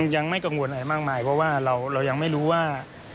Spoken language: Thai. ยังไม่กังวลอะไรมากมายเพราะว่าเรายังไม่รู้ว่า